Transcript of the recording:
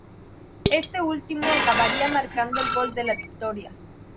Este último acabaría marcando el gol de la victoria.